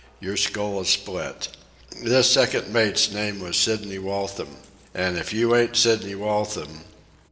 Your skull is split. This second mate's name was Sidney Waltham. And if you ain't Sidney Waltham